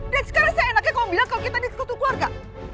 dan sekarang saya enaknya kamu bilang kalau kita di sekutu keluarga